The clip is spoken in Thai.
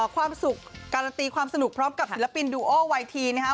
ความสุขการันตีความสนุกพร้อมกับศิลปินดูโอไวทีนนะครับ